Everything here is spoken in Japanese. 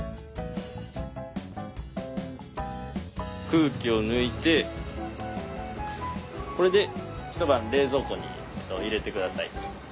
空気を抜いてこれで一晩冷蔵庫に入れて下さい。